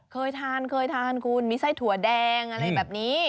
เคยทานเคยทานคุณมีไส้ถั่วแดงอะไรแบบนี้